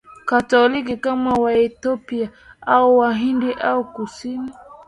Katoliki kama Waethiopia au Wahindi wa Kusini